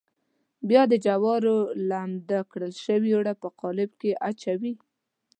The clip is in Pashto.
بیا د جوارو لمد کړل شوي اوړه په قالب کې اچوي.